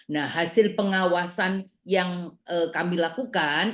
nah hasil pengawasan yang kami lakukan